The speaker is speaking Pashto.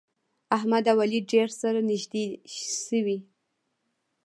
احمد او علي ډېر سره نږدې شوي.